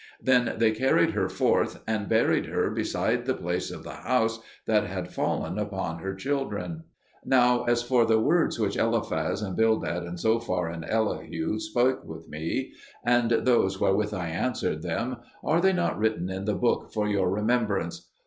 Then they carried her forth and buried her beside the place of the house that had fallen upon her children. Now as for all the words which Eliphaz, and Bildad, and Zophar, and Elihu spake with me, and those wherewith I answered them, are they not written in the book for your remembrance?